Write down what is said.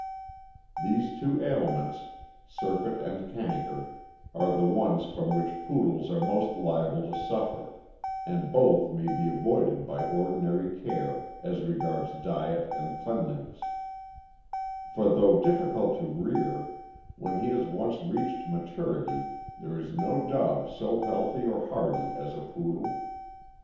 These two ailments, surfeit and canker, are the ones from which Poodles are most liable to suffer, and both may be avoided by ordinary care as regards diet and cleanliness; for though difficult to rear, when he has once reached maturity there is no dog so healthy or hardy as a Poodle.